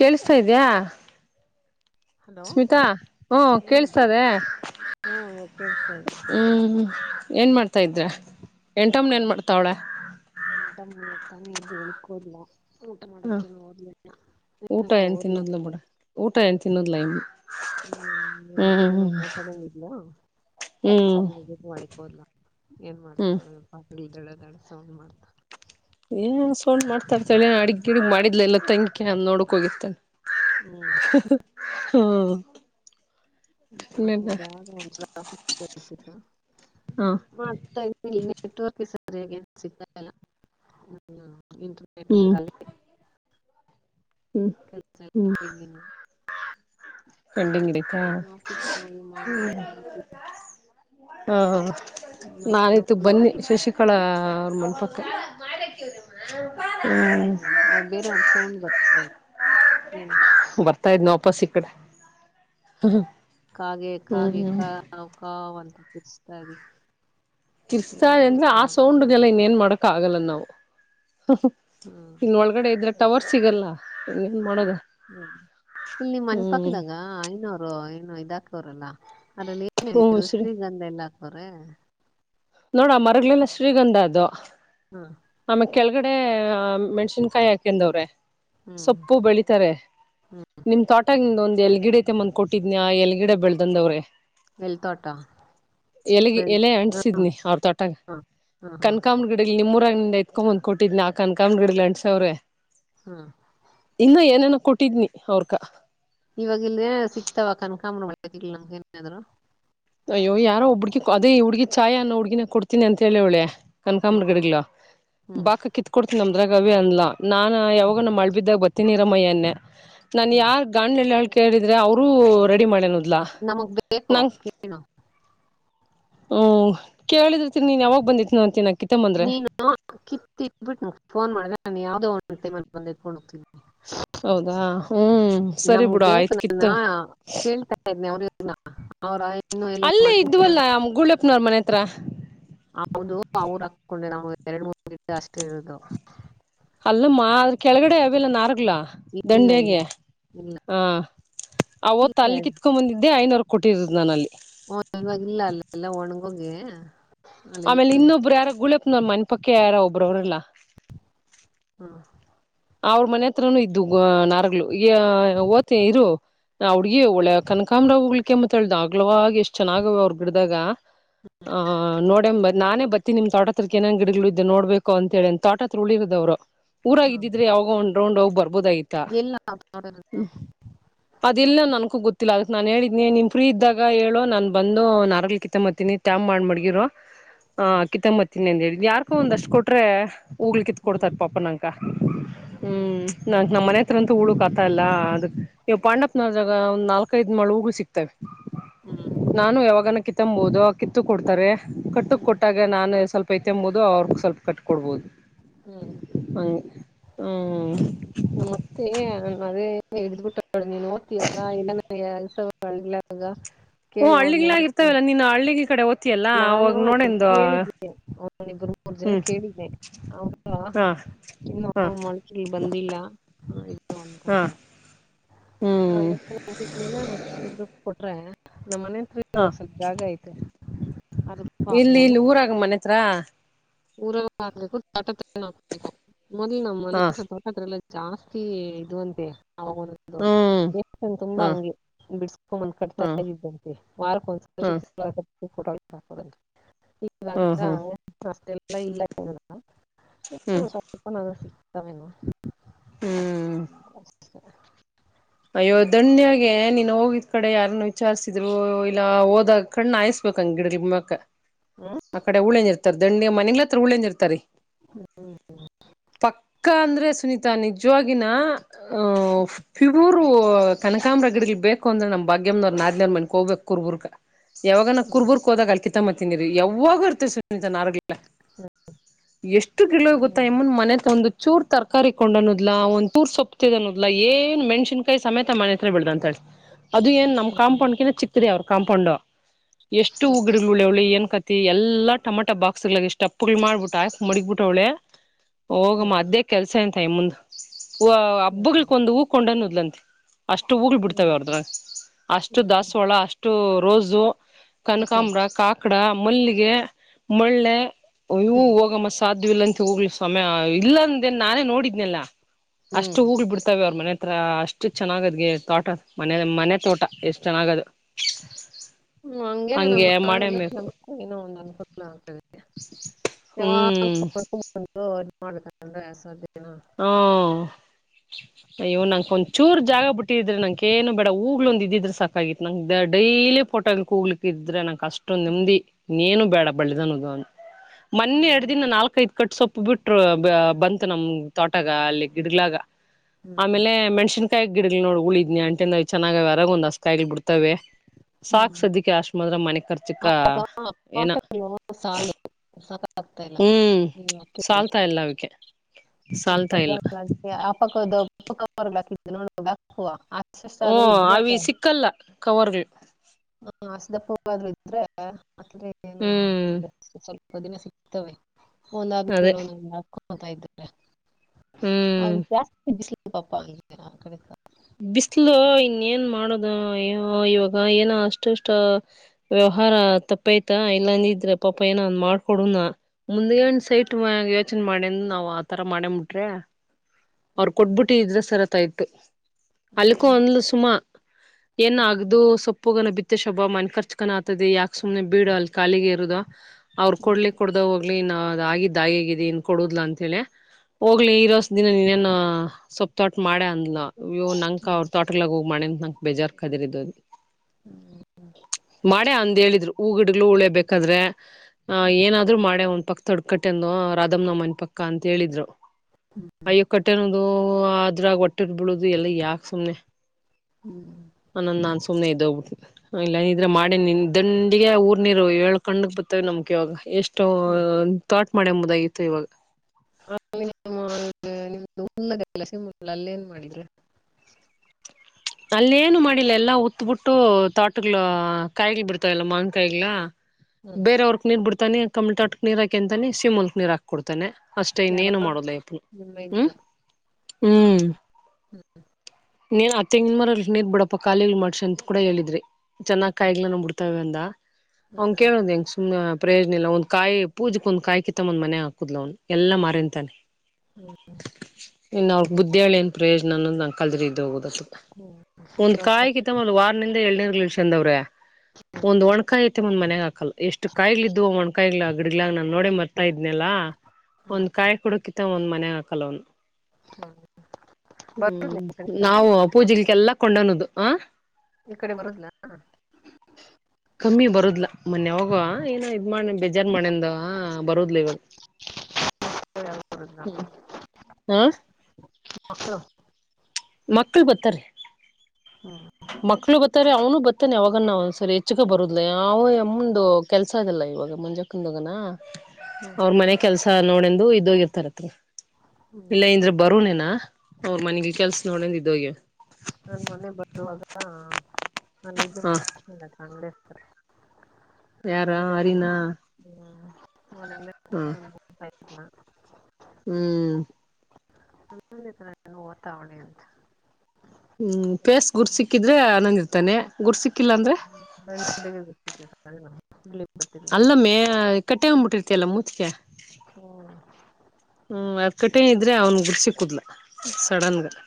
ಕೆಳ್ಸ್ತಾ ಇದ್ಯಾ. ಹಲೋ ಸ್ಮಿತಾ ಓ ಹ್ಮ್ ಕೆಳ್ಸ್ತಾ ಇದೆ. ಹ್ಮ್ ಇವಾಗ್ ಕೆಳ್ಸ್ತಾ ಹ್ಮ್ ಏನ್ ಮಾಡ್ತಾ ಇದ್ದೆ ಎಂಟ್ಮನ್ ಏನ್ ಮಾಡ್ತವಳೇ. ಎಂಟ ಮೂವತಾನೆ ಎದ್ ಒಳಿಕ್ ಹೋದ್ಲಾ. ಊಟ ಹ ಮಾಡಕ್ ಏನೋ ಹೋದ್ಲನೋ ಊಟ ಏನುಕೊ ಏನ್ ಹೋದ್ಲು. ತಿನ್ನೋದ್ಲ ಬಿಡ ಊಟ ಏನ್ ತಿನ್ನೋದ್ಲ ಇನ್ನು ಹ್ಮ್ ನಿಮ್ ಜೊತೆ ಏನು ಹ್ಮ್ ಮಾತಾಡಂಗೆ ಇಲ್ವಾ. ಹ್ಮ್ [unintelligible] ಒಳಿಕ್ ಹೋದ್ಲ ಏನ್ ಹ್ಮ್ ಮಾಡ್ತಾಳೆ ಪಾತ್ರೆ ತೊಳಿತಾಳೆ ಸೌಂಡ್ ಮಾಡ್ತಾ ಏ ಸೌಂಡ್ ಮಾಡ್ತಇರ್ತಳೆ ಅಡಗ್ ಗಿಡಗ್ ಮಾಡಿದ್ಲ್ಯಾ ಇಲ್ಲ ತಂಕ್ಯ ನೋಡಕ್ ಹೋಗಿರ್ತಳೆ. ಹ್ಮ್ ಹಾ. [inaudible] ಹಾ. ಮತ್ ಹೊಯ್ತು ಇಲ್ಲಿ ನೆಟ್ವರ್ಕ್ ಏ ಸರಿಯಾಗ್ ಏನ್ ಸಿಗ್ತಾ ಇಲ್ಲ ಹಾ ಇಂಟ್ರ್ ಹ್ಮ್ ಇಟುತ್ಕಲ್ಲಿ ಹ್ಮ್ ಕೆಲಸ ಎಲ್ಲ ಹ್ಮ್ ಪೆಂಡಿಂಗ್ ಕಂಡಂಗಿಡಿ. ಆಫೀಸ್ಗೆ ಹೋಗಿ ಮಾಡಿ ಹಾ ನಾಲ್ಲಿದ್ದು ಹ್ಮ್ ಬನ್ನಿ ಶಶಿ ಕಳಾ ಅವ್ರ್ ಮನ್ ಪಕ್ಕ. ಅ ಬೇರೆ ಅವ್ರ ಸೌಂಡ್ ಬರ್ತಯಿದೇ ಏನು. ಬರ್ತಾ ಇದ್ನ ವಾಪಸ್ ಈ ಕಡೆ ಹ್ಮ. ಕಾಗೆ ಕಾಗೆ ಕಾವ್ ಕಾವ್ ಅಂತ ಕಿರ್ಚ್ತಾ ಇದೇ. ಕಿರ್ಚ್ತಾ ಇದೇ ಅಂದ್ರೆ ಆ ಸೌಂಡ್ಗೆಲ್ಲ ಇನ್ ಏನ್ ಮಾಡಕ್ ಆಗಲ್ಲ ನಾವು. ಹಾ. ಇನ್ನ ಒಳಗಡೆ ಇದ್ರೆ ಟವರ್ ಸಿಗಲ್ಲ ಹಂಗ ಏನ್ ಮಾಡದು ಹ್ಹೂ ಇಲ್ಲಿ ನಿಮ್ಮ್ ಮನೆಪಕ್ಕದಾಗ ಐನೂರು ನ ಇದಾಕವರಲ್ಲಾ ಅದರಲ್ಲಿ ಹ್ಮ್ ದು ಶ್ರೀ ಶ್ರೀಗಂಧ ಎಲ್ಲ ಹಾಕ್ತವ್ರ ನೋಡ ಮರಗಳಲೆಲ್ಲ ಶ್ರೀಗಂಧ ಅದು ಹಾ ಆಮೇಲೆ ಕೆಳಗಡೆ ಮೆಣ್ಸಿನ್ಕಾಯಿ ಹಾಕನ್ವ್ರೆ ಹ್ಮ್ ಸೊಪ್ಪು ಬೆಳಿತಾರೆ ಹ್ಮ್ ನಿಮ್ ತೋಟಗಂದ ಒಂದ್ ಎಲ್ ಗಿಡ ಐತೆ ಮಂದ್ಕ ಕೊಟ್ಟಿದ್ನಿ ಆ ಎಲ್ ಗಿಡ ಬೆಳ್ದಂದವ್ರೆ ಎಲ್ ತೋಟ ಎಲೆಗೆ ಬೆಳ್ ಎಲೆ ಹ್ಮ್ ಅಂಸಿದ್ನಿ ಅವ್ರ ತೊಟಗ ಹ್ಮ್ ಹ್ಮ್ ಹ್ಮ್ ಕನ್ಕ ಕಾಮ್ ಗಿಡಲಿ ನಿಮ್ಮೂರಿಂದ ಇತ್ಕೊಂಬಂದ್ ಕೊಟ್ಟಿದ್ ನಾಕನ್ ಕಾಮ್ ಗಿಡಿಲಿ ಅಂಸ್ರೆ ಹೂ ಇನ್ನ ಏನೇನ ಕೊಟ್ಟಿದ್ನಿ ಅವರ್ಕ ಇವಾಗ ಇಲ್ ಸಿಕ್ತಾವ ಕನಕಾಮನ ಒಳ್ಳೇತಿ ನಂಗ ಏನಾದ್ರು ಅಯ್ಯೋ ಯಾರೋ ಒಬ್ಬ ಹುಡ್ಗಿ ಅದೇ ಹುಡ್ಗಿ ಚಾಯ ಅನ್ನೋ ಹುಡ್ಗಿನನ ಕೊಡ್ತೀನಿ ಅಂತ ಹೇಳಿ ಒಳೆ ಹ್ಮ್ ಕನ್ಕಾಮಗಗ್ಲಾ ಹ್ಮ್ ಬಾಕ ಕಿತ್ ಕೊಡ್ತನಿ ನಮ್ದ್ರಾಗೇ ಅನ್ಲ ನಾ ಯಾವಾಗ ನ ಮಳ ಬಿದ್ದಾಗ ಬತ್ತ ನೀರಮಯ್ಯನ್ನೇ ನಾನ್ ಹ್ಮ್ ಯಾರ್ ಗಾಂಡ್ಲೆಳ್ಳ ಹಳ್ಕ ಹೇಳಿದ್ರೆ ಅವರುೂ ರೆಡಿ ಮಾಡೇನದಲಾ ನಮಗ್ ಬೇಕು ಹೇಳನು ಹಹೂ ಕೇಳಿದ್ರತಿರಿ ನೀನ್ ಯಾವಾಗ ಬಂದಿತ್ನ ಅಂತಿನ ಕಿತ್ತಂಬಂದ್ರೆ ನೀನು ಕಿತ್ತಿಟ್ಬಿಟ್ಟು ಫೋನ್ ಮಾಡಿದ್ರೆ ನಾನು ಯಾವುದೋ ಒಂದು ಟೈಮ್ ಬಂದಿ ಇಕೊಂಡು ಹೋಗ್ತೀನಿ ಹೌದಾ ಹ್ಮ್ ಸರಿ ನಮಗ್ ಬಿಡು ಬೇಕು ಆಯ್ತು ಕಿತ್ತ ನಾನ ಕೇಳ್ತಾ ಇದ ಇದನಿ ಅವರುನ ಅವ್ರ ಇನ್ನು ಎ ಮಾಡ್ ನೋರ್ ಮನೆ ಹತ್ರ ಹೌದು ಅವರು ಹಕೊಂಡೆ ನಾ ಎರಡ್ ಮೂರು ದಟ ಅಷ್ಟೇ ಇರದು ಅಲ್ಲಮ್ಮ ಆದ್ರ ಕೆಳಗಡೆ ಅವಲ್ಲ ನಾರ್ಗ್ಲಾ ಇಲ್ಲ ಇಲ್ಲ ದಂಡೆಗೆ ಇಲ್ಲ ಹ ಅವತ್ತು ಇಲ್ಲ ಅಲ್ಲಿ ಕಿತ್ಕೊ್ ಬಂದಿದ್ದೆ ಐನೂರು ಕೊಟ್ಟಿರುದು್ ನಾನ ಅಲ್ಲಿ ಹ ಇವಾಗಲ್ಲ ಅಲ್ಲ ಎಲ್ಲ ಒಣಗೋಗಿ ಆಮೇಲೆ ಅಲ್ಲೆಲ್ಲ ಇನ್ನೊಬ್ರು ಯಾರ ಗುಳೆಪ್ನ ಮನೆ ಪಕ್ಕ ಯಾರೊ ಒಬ್ರು ಅವ್ರಲ್ಲಾ ಹೂ ಅವ್ರ ಮನೆ ಹತ್ರನುೂ ಇದ್ದು ನಾರಲು ಈ ಓತಿ ಇರು ನ ಹುಡ್ಗಿ ಒಳೆ ಕನಕಾಮ ರರಾವ ಹು್ಿಕ ಕೆಮ್ಮತ್ ಹೇಳ್ದ ಆಗ್ಲವಾಗ ಎಷ್ಟ ಷ್ಟ ಚೆನ್ನಾಗ ಅವ್ಗ್ ಬಿಡಿದಾಗ ಆ ನೋಡ ನಾನೇ ಬ ನಿಮ್ ತೋಟ ಹತ್ರ ಏನಂಗ ಗಿಡಗಳು ಇದದೆ ನೋಡ್ಬೇಕು ಅಂತಿ ಅಂತ ತೋಟ ಹತ್ರ ಉಳಿರೋವ್ರು ಊರಾಗಿದ್ದ ಯೊಂಡ್ರೊಂಡ್ೋಗಿ ಬರ್ಬೋದ ಐತಿ ಇಲ್ಲ ನಾವು ನೋಡಿರೋದು ಅದ ಇಿಲ್ಲ ನ ನನ್ಕೂ ಗೊತ್ತಿಲ್ಲ ಅದಕ್ ನಾನ್ ಹೇಳಿದನಿ ನಿಮ್ ಫ್ರೀ ಇದ್ದಾಗ ಹೇಳೋ ನಾನ್ ಬಂದು ನ ಅರಗ್ಲಿ ಕಿತ್ತಂಬ್ತನಿ ಸ್ಟಾಮಪ್ ಮಾಡಗಿರ ಹಾ ಹ್ಮ್ ಕಿತ್ತಂಬತ್ತಿನಿ ಅಂತ ಹೇಳ ಯಾರ್ಕೊ ಒಂದಷ್ಟ್ ಕೊಟ್ರೊಗ್್ಲಿ ಕಿತ್ ಕೊಡ್ತಾರ ಪಾಪ ನಂ ಕಹ ಹೂ ನಾ ನಮ್ಮ ಮನೆ ಹತ್ರಂತೂ ಹೂಳುಕ್ ಆತಾ ಇಲ್ಲ ಅದಕ್ ನೀವು ಪಾಂಡಪ್ನವಾಗ ಒಂದ್ ನಾಲ್ಕೈಐದ ಮಳ ಹೂ ಸಿಕ್ತವೆ ಹೂ ನಾನು ಯಾವಾಗನ ಕಿತ್ತಂಬಬಹುದು ಕಿತ್ತು ಕೊಡ್ತಾರೆ ಕಟ್ಟುಕ್ ಹ್ಮ್ ಹ್ಮ್ ಕೊಟ್ಟಾಗ ಈಗ ನಾನು ಸ್ವಲ್ಪ ಐತೆಂಬಹುದು ಅವ್ರ ಸ್ವಲ್ಪ ಕಟ್ಕ ಕೊಡ್ಬಹದು ಹೂ ಹ ಹ್ಮ್ ಮತ್ತೆ ನ ಅದೇ ಹಿಡ್ಬಿಟ್ಟ ನೀನ್ ೋಗ್ತಿಯಲ್ಲ ಇಲ್ಲಂದ ಕೆಲಸಲ್ಲಾಗ ಓ್ ಹಳ್ಳಿಗ್ಗಳಾಗಿರ್ತಾವವಲ್ಲ ನಿನ್ನ ಹಳ್ಳಿ ಕಡೆ ಓದ್ತಿಯಲ್ಲ ನಾನು ಅವಾಗ್ ಅದ ನೋಡೆಂದು ಕೇಳಿದ್ದೀನೆ ಅವ ಇಬ್ರು ಮೂರು ಜನ ಹ್ಮ್ ಕೇಳಿದ್ದೇ ಅವ ಹಾ ಇಲ್ಲ ಹಾ ಮಕಿಲ್ ಬಂದಿಲ್ಲ ಇದು ಹಾ ಅಂತಂದ್ರ ಹ ಹ್ಮ್ ನ್ನೆಲ್ಲ ನಾ ಸಿಕ್ ಗ್ರೂಪ್ ಕೊಟ್ರೆ ನಮ್ಮ ಮನೆತ್ರ ಹಾ ಇವಾಗ ಸ್ವಲ್ಪ ಜಾಗ ಐತೆ ಅದು ಇಲ್ಲಿ ಇಲ್ಲಿ ಊರಾಗ ಮನೆ ಹತ್ರ ಊರಲ್ಲ ಹಾಕ್ಬೇಕು ತಟ ಹಾಕ್ಬೇಕು ಮೊದ್ಲಿ ನಮ್ಮ್ ಹಾ ಮನೆ ಅದ್ರಲ್ಲ ಜಾಸ್ತಿ ಇದು ಅಂತೆ ಒಂದು ಹ್ಮ್ ದ ಹಾ ತುಂಬಾ ಹಂಗೆ ಬಿಡ್ಸ್ಕೊಂಡಂದ ಕಟ್ತಾ ಹಾ ಹಾ ಮಾರ್ಕ್ ಒಂದಸ ಕೊಡ ಕೊಡ ಇ ಹಾ ಹಾ ಅಷ್ಟೆಲ್ಲ ಇಲ್ಲ ಹ್ಮ್ ಹ ನ ಸಿ ಹ್ಮ ಅಯ್ಯೋ ಅಷ್ಟೆಲ್ಲ ಬಿಟ್ಟು. ದಣ್ಯಾಗೆ ನೀನು ಹೋಗಿದ್ ಕಡೆ ಯಾರನ್ನ ವಿಚಾರಸಿದ್ರು ಇಲ್ಲ ಹೋದಾಗ ಕಣ್ಣ ಹಾಯಿಸಸ್ಬೇಕ ಹಂಗ ಗಿಡ ಮ ಹ್ಮ್ ಆ ಕಡೆ ಉಳೇಂಜ ಇರ್ತಾರ ದಂಡಿ ಮನೆಗ್ಲ ಹತ್ರ ಉಳೇಜ್ ಇರ್ತಾರಿ ಹ್ಮ್ ಪಕ್ಕ ಅಂದ್ರೆ ಸುನೀತಾ ನಿಜವಾಗಿನ ಹ ರು ಕನಕಾಂಬ್ರ ಗಡಗ್ಲಿ ಬೇಕ ಅಂದ್ರೆ ನಮ್ ಭಾಗ್ಯಮನವ್ ನನೇರ್ ಮನೆಕ್ ಹೋಗಬೇಕ ಕುರ್ಬುರ್ಗ ಯಾವಾಗ ನ ಕುರ್ಬುರ್ಕ್ ಹೋದಾಗ ಅಲ್ ಕಿತತ್ತ್ತಿನಿರಿ ಯಾವಾಗ ಇರ್ತ ಸುನೀತಾ ನಾರ್ ಎಷ್ಟು ಕಿಳುವ ಹ್ಮ್ ಗೊತ್ತಾಯಮ್ಮನ್ ಮನೆ ತಂದು ಚೂರ್ ತರಕಾರಿ ಕೊಂಡ್ ಅನ್ನೋದಲಾ ಒಂದ ಚೂರ್ ಸೊಪ್ಪತಿದ ಅನ್ನೋದಲಾ ಏ ಮೆಣಸನ್ಕಾಯಿ ಸಮೇತ ಮನೆ ಹತ್ರ ಬೆಳದ ಅಂತ ಹೇಳಿ ಅದು ಏನ್ ನಮ್ಮ ಕಾಂಪೌಂಡ್ತ ಚಿ ಅವ್ರ ಕಾಂಪೌಂಡ್ ಎಷ್ಟು ಹಗ ಳೆ ಅವ್ಳಿ ಏನ್ ಕತಿ ಎಲ್ಲ ಟಮಾಟ ಬಾಕ್ಸ್ಗಳಾಗ ಇಷ್ಟಪ್ಗಳ ಮಾಡ್ಬಿಟ್ಟ ಆಯಕ್ ಮಡಿಗ್ಬಿಟ್ಟ ಅವಳೆ ಹೋಗಮ್ಮ ಅದ್ದೇ ಕೆಲ್ಸ ಎಂತ ಇ ಮುಂದ್ ಹ ಹಬ್ಬಗಳಕೊ ಒಂದು ಊ ಕೊಂಡನ್ದ್ಲಂತೆ ಅಷ್ಟು ಹೂಗ್ಳ ಹ್ಮ್ ಬಿಡ್ತಾವ ಹ್ಮ್ ಅವ್ರದ್ರಾಗ ಅಷ್ಟು ಹ್ಮ್ ದಸ ಒಳ ಅಷ್ಟು ಇಷ್ಟು ರೋಜು ಹ್ಮ್ ಕನಕಾಂಬ್ರ ಕಾಕಡ ಮಲ್ಲಿಗೆ ಮಳ್ಳೆ ಅಯ್ಯವು ಹ್ಮ್ ಹೋಗಮ್ಮ ಸಾಧ್ಯ ಇಲ್ಲ ಅಂತ ಹೋಗ್ಲಿ ಸಮಯ ಇಲ್ಲಂದೇನ್ ನಾನೇ ನೋಡಿದ್ನೆಲ್ಲಾ ಹ್ಮ್ ಅಷ್ಟು ಹೂಗ್ ಬಿಡ್ತಾವೆ ಅವ್ರ ಮನೆ ಅತ್ರ ಅಷ್ಟು ಚೆನ್ನಾಗದ್ಗೆ ತೋಟ ಮನೆ ಮನೆ ತೋಟ ಎಷ್ಟು ಚೆನ್ನಾಗದು ಹ್ಮ ಹಂಗೇನ ನ ಹಂಗೆ ಮಾಡ ಮಾಡೇಬೇಕು ನಮ ಏನೋ ಒಂದು ಅನುಕೂಲ ಆಗ್ತದೆ ಯಾವಾಗ ಹ್ಮ್ ಇ ಮಾಡ್ಬೇಕಂದ್ರೆ ಸಾಧ್ಯನ ಹ್ಮ ಇವ್ ನಂಕ ಒಂದ್ಚೂರು ಜಾಗ ಬಿಟ್ಟಿದ್ರೆ ನಂಗೆ ಬೇಡ ಹೂಗ್ಲ ಒಂದು ಇದಿದ್ರೆ ಸಾಕಾಗಿತ್ತು ನಂಗೆ ಡೈಲಿ ಪೋಟ ಹೋಗ್ಲಿಕ್ಕ ಇದ್ರೆ ನ ಕಷ್ಟೊ ಹ್ಮ್. ನೆಮ್ದಿ ನೀನು ಬೇಡ ಬಳ್ಳಿದನದು ಮೊನ್ನೆ ಎರಡು ಹೌದು. ದಿನ ನಾಲ್ಕೈತಿ ಕಟ್ ಸೊಪ್ಪ ಬಿಟ್ರು ಬಂತು ನಮ್ ತೋಟಗ ಅಲ್ಲಿ ಗಿಡ್ಲಾಗ ಹ್ಮ್ ಆಮೇಲೆ ಮೆಣ್ಸಿನ್ ಯಿ ಗಿಡಗಳು ನೋಡಿ ಉಳಿದನಿ ಅಂಟಿಂದ ಚೆನ್ನಾಗ ಯರಾಗ ಒಂದ್ಸ ಕಾಯಿಗಳು ಬಿಡ್ತವೆ ಸಾಕ್ ಹ್ಮ್ ಸದ್ಯಕ್ಕೆ ಅಶ್ಮಂದ್ರ ಮನೆ ಖರ್ಚಿಕ ಅವಾಗ ಏನ ಪಾಠ ಸಾಲದು ಸಾಕಾಗ್ತಾ ಇಲ್ಲ ಹ್ಮ್ ಸಲ್ತಾ ಇಲ್ಲ ಅವಕ್ಕೆ ಸಾಲ್ತಾ ಇಲ್ಲ ಆ ಪಕ್ಕದಕ್ಕ ಹಾಕ ನೋಡ ಹೂ ಅಷ್ಟಷ್ಟಾದ್ರೂ ಇದ್ರೆ ಕಲ್ಲ ಕವರ್ ಹಾ ಹಸದ ಪೂ ಆದ್ರರು ಇದ್ರೆ ಅ ಏನು ಹ್ಮ್ ಸ್ವಲ್ಪ ದಿನ ಸಿ ತ ಅದೇ ಒಂದಾದ್ಮೇಲೆಕತಾ ಇದ್ದಾರೆ ಹ್ಮ್ ಅವ ಜಾಸ್ತಿ ಬಿಸ್ಲ ಪಾಪ ಅಗೆ ಆ ಕಡೆ ಬಿಸಲು ಇನ್ನ ಏನ್ ಮಾಡದ ಇವಾಗ ಏನ ಅಷ್ಟುಷ್ಟ ವ್ಯವಹಾರ ತಪ್ಪಯ್ತ ಇಲ್ಲಾಂದ ಇದ್ರೆ ಪಾಪ ಏನ ಅಂದ್ ಮಾಡ್ಕೊಡನಾ ಮುಂದ್ಗ ನ್ ಸೈಟ್ ಯೋಚನೆ ಮಾಡಿಂದು ನಾವ್ ಆತರ ಮಾಡೇ ಮುಟ್ರೆ ಅವ್ರ ಕೊಟ್ಬಿಟ್ಟ ಹಟ್ಟಿ ಇದ್ರೆ ಸರತ ಇಟ್ಟು ಅಲ್ಕ್ ಒಂದ್ಲು ಸುಮ ಏನ್ ಆಗದು ಸೊಪ್ಪುಗನ ಬಿತ್ತು ಮತ್ತ ಶೊಬ್ ಮನ್ ರ್ಕೊಂಡ ಆತದೆ ಯಾಕೆ ಸುಮ್ನೆ ಬೀಡ ಅಲ್ಲಿ ಕಾಲಿಗೆ ಇರೋ ಅವ್ರು ಹ್ಮ್ ಕೊಡ್ಲಿ ಕೊಡೋಗ ಆಗ್ಲಿ ನ ಅ ಆಗಿದ್ದ ಆ ಆಗಿದ್ದ ಇನ್ ಕೊಡುದಲ ಅಂತ ಹೇಳಿ ಹೋಗ್ಲಿ ಇರೋಸ ದಿನ ನೀನೇನು ಸೊಪ್ ತೊಟ ಮಾಡ ಅಂದ್ಲು ಅ್ಯ ನಂಕ ಹ್ಮ್ ಅವ್ರ ತೋಟಲ್ಗ ಹೋಗಿಣ ನಂಕ್ ಬೇಜಾರ್ ಕದರ್ದು ಹ್ಮ್ ಮಾಡೆ ಅಂದ ಹೇಳಿದ್ರು ಹೂ ಗಿಡ್ಗ್ಳು ಉಳೇ ಬೇಕಾದ್ರೆ ಆ ಏನಾದ್ರು ಮಾಡೆ ಒಂದ್ ಪಕ್ಕ ತೊಡ್ಕಟ್ಟೆಂದು ರಾಧಮನಮ್ಮನ ಪಕ್ಕ ಅಂತ ಹೇಳಿದ್ರು ಹ್ಮ್ ಹ್ಮ್ ಅಯ್ಯೋ ಕಟ್ಟೆನದು ಅದ್ರಾಗ ಒಟ್ಟರ್ ಬಿಳುದು ಎಲ್ಲ ಯಾಕ ಸುಮ್ನೆ ಹ್ಮ್ ಅನ್ನಂದ ನನ್ ಸುನೆ ಇದ್ದೋಗ್ಬಿದೆ ಇಲ್ಲ ಇದಿದ್ರೆ ಮಾಡಿ ನಿ ದಂಡಿಗೆ ಊರ್ ನೀರು ಎಳ್ ಕಣ್ಣಕ್ ಬತವ ನಮ್ಕ್ ಇವಾಗ ಎಷ್ಟ್ ಥಾಟ್ ಮಾಡೆ ಮುದಾಗಿತ್ತು ಇವಾಗ ನಿಮ್ದುದ ಕೆಲ ಸಿಮ ಅಲ್ಲೇಏನ್ ಮಾಡಿದ್ರೆ ಅಲ್ಲ ಏನು ಮಾಡಿಲ್ಲ ಎಲ್ಲಾ ಉತ್ಬಿಟ್ಟು ತಾಟಗ್ಗಳ ಕಾಯಿಗ್ಗಳು ಬಿಡ್ತಾವ ಎಲ್ಲ ಮಾವನ್ ಕಾಯಿಗ್ಗಳ ಹ್ಮ್ ಬೇರೆ ಅವ್ರಕ್ ನೀರ್ ಬಿಡ್ಾನೆ ಕಮಿಟಾಟಕ್ ನೀರ್ ಹಾಕಂತಾನಿ ಸಿಮುಲ್ಕ್ ನೀರ್ ಹಾಕ್ ಕೊಡ್ತಾನೆ ಅಷ್ಟೇ ಯಾರೋ ಇನ್ನೇನು ಮಾಡುದಪ್ಪ ನಿಮ್ಮ ಹ್ಮ್ ಇದನ್ನ ಹ್ಮ್ ಹ್ಮ್ ನೀ ಅತ್ತೆಂಗ ಮರ ನೀರ್ ಬಿಡಪ್ಪ ಖಾಲಿಗಳು ಮಾಡ್ಸಿ ಅಂತ ಕೂಡ ಹೇಳಿದ್ರಿ ಚೆನ್ನ್ ಕಾಯಿಗಳನ ಬಿಡ್ತಾವವೆ ಅಂದ ಅವಂಗ ಕೇಳುದ ಹೆಂಗ ಸುಮ್ ಪ್ರಯೋಜನ ಇಲ್ಲ ಒಂದ ಕಾಯಿ ಪೂಜೆಕ್ ಒಂದ ಕಾಯಿ ಕಿತ್ತೊ ಒಂದ ಮನೆ ಹಾಕುದ್ಲ ಅವ್ ಎಲ್ಲ ಮಾರಂತಾನೆ ಹ್ಮ ಬುದ್ದಿಳಿ ಏನ್ ಪ್ರಯೋಜನ ಅನ್ನೋದು ನ ಕಲ್ದ್ರ ಇದ ಹೋಗುದ ಒಂದ್ ಕಾಯಿ ಕಿತ್ತ ವಾರಿಂದ ಎಏಡ್ನೇರ್ ಲ್ಷ ಅಂದ ಅವ್ರೆ ಒಂದ್ ಒಣ್ಕಿ ಐತೆ ಮಂದ್ ಮನ್ಯಗ್ ಹಾಕಲ್ಲ ಎಷ್ಟು ಕಾಯಿಗಳ ಇದುವ ಒಣ್ಕಾಯಿ ಆ ಗಿಡಗ್ಗಳಾಗ ನಾ ನೋಡಿ ಮರ್ ಹತ ಇದ್ನಲ್ಲಾ ಒಂದ್ ಕಾಯಿ ಕುಡಕಿತ ಒಂದ್ ಮನೆ ಹಾಕಲ್ಲ ಅವನು ಹ್ಮ ಬ ನಾವು ಪೂಜೆಗಳಿಗೆಲ್ಲ ಕೊಂಡನದು ಹ ಈ ಕಡೆ ಬರದಲ ಕಮ್ಮಿ ಬರದ್ಲ ಮೊನ್ನೆವೋಗ ಏನೋ ಇದ್ ಮಾಡ ಬೇಜಾರ ಮಣೆಯಿಂದ ಬರೋದ್ ಇವಾಗ ಹ [inaudible] ಮಕ್ಕಳು ಮಕ್ಕಳ ಬತಾರೆ ಹಾ ಮಕ್ಕಳು ಬರ್ತಾರೆ ಅವನು ಬರ್ತಾನೆ ಹೋಗೋಣ ಒಂದ್ಸರಿ ಹೆಚ್ಚಗ ಬರುದಿಲ್ಲ ಯಾವು ಎಮ್ಮಂದು [inaudible] ಕೆಲಸಾ ಆಗಲ್ಲ ಇವಾಗ ಮಂಜಕ್ಕನ ಮಗನಾ [inaudible] ಹು [inaudible] ಅವ್ರ ಮನೆ ಕೆಲಸಾ ನೋಡ ಎಂದು ಇದ್ದ ಹೋಗಿರರ್ತಾರ ಹ್ಮ್ ಇಲ್ಲ ಇಂದ್ರ ಬರುನೇನಾ ಅವರ ಮನಿಗ ಕೆಲಸ ನೋಡಿಂದ ಇದು ಆಗೇವಿ. ನನ್ನ ಮನೆಗ ಬರತ್ತಳ ಅಲ್ಲ ನನ್ನ ಹೆಸರ ಹ ಬಾಳ ಚಂದ ಅಂದಿರತಾರ [inaudible] ಯಾರ ಹಂಗ ಲೈಕ್ ಹರಿನಾ ಬಂದಿದವ ಹ [unintelligible] [inaudible] ಹ್ಮ್ [inaudible] [unintelligible] ಪೇಸ ಗುರುತ್ ಸಿಕ್ಕಿದ್ರೆ ಆನಂದ ಇರ್ತಾನೆ ಗುರುತ್ ಸಿಕ್ [unintelligible] [inaudible] ಅಲ್ಲ ಅಮ್ಮೀ ಕಟ್ಟೆ ಬಂದಿರತಿಯಲ್ಲ ಮೂಚಗೆ ಹೂ [inaudible] ಮರತ್ತಟಿ ಇದರ ಅವಂಗ ಸಿಕುದಿಲ್ಲ. ಸಡನಗ [inaudible]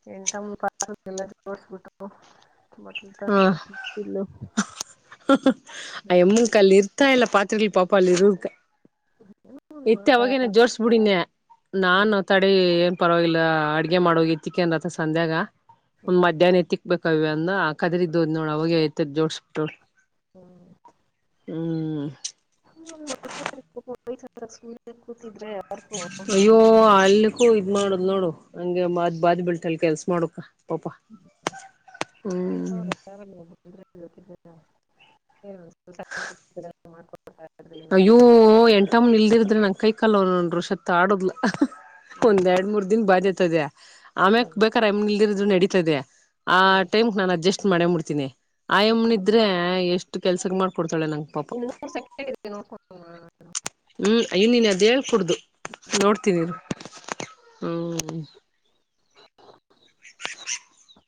[unintelligible] [inaudible] ಮೊದಲ ಹ ತಂದಿದವ [inaudible] [unintelligible] ಹೊಗತ್ತ ಎಲ್ಲ ಪಾತ್ರಿಲಿ ಪಾಪಾ ಅಲ್ಲಿ ಇರೋದಕ್ಕ [inaudible] ಹ್ಮ [inaudible] ಇತ್ತ ಅವಾಗೇನ ಜೋರ್ಸ್ಬಿಡಿನ್ಯಾ ಹ್ಮ್ ನಾನ ತಡೆ ಏನ್ ಪರವಾಗಿಲ್ಲ ಅಡಗೆ ಮಾಡಿ ಹೋಗಿ ತ್ತಿಕನಡರಾ ಆಯ್ತ ಸಂಧ್ಯಾಗ್ ಹ್ಮ್ ಮಧ್ಯಾಹ್ನ ತ್ತಿಕ್ಕ ಬೇಕ ಕವ್ಯ ಅಂದನ್ನ ಆ ಅಕ್ಕ ಎದರ ಇದೋದ್ ನೋಡ ಅವಾಗ ಎತ್ತ ಎತ್ತ ಜೋಡಿಸ ಬಿಟ್ಟರು. ಹ್ಮ್. ಹೂ [inaudible] [unintelligible] [inaudible] [inaudible] ಅಯ್ಯೋ ಅಲ್ಲಿಕ್ಕೂ ಇದ ಮಾಡುದಲ್ಲ ನೋಡು ಹಂಗೆ ಮಾಜ ಬಾದಿ ಬಿಲ್ಟಲ್ಲಿ ಕೆಲಸಾ ಮಾಡಬೇಕ. [inaudible] [unintelligible] [inaudible] [inaudible] [unintelligible] ಅಯ್ಯೋ ಏನಾರ. ಎಂಟಮ್ಮ ಇಲ್ಲದಿದರ ನನ್ನ ಕೈ ಕಾಲ ನನ್ನ ರೋಶಾ ಹತ್ತ ಆಡಿದಲ್ಲ ಹ್ಮ್ ಒಂದ್ ಎರಡ್ ಮೂರ್ ದಿನ ಬಾಡಿರತದೇ [inaudible] ಆಮ್ಯಕ್ ಹ್ಮ್ ಬೇಕಾರ ಆಯಮ್ಮ ಇಲ್ಲದಿದ್ದರು ನಡಿತತದೆ ಆ ಹ್ಮ್. ಟೈಮ್ಕ್ ನಾನ ಅಡ್ಜಸ್ಟ್ ಮಾಡೇಮ ಬಿಡ್ತೀನಿ. ಆಯಮ್ಮ ಇದ್ರೆ ಎಷ್ಟ ಕೆಲಸಕ್ಕ ಮಾಡ್ಕೊಡ್ತಾಳೆ ನಂಗ ಪಾಪ [inaudible] [inaudible] [unintelligible] ಹು ಇನ್ನನ್ ಅದ ಹೇಳ ಕುೂಡ್ದು ನೋಡ್ತನಿ ಇರು ಹ [inaudible] [inaudible]